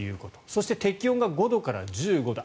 そして、適温が５度から１５度。